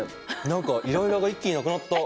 何かイライラが一気になくなった。